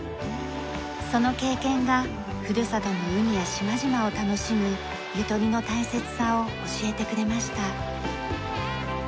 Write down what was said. その経験がふるさとの海や島々を楽しむゆとりの大切さを教えてくれました。